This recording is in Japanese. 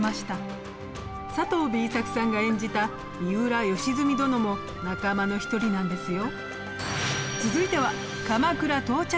佐藤Ｂ作さんが演じた三浦義澄殿も仲間の一人なんですよ。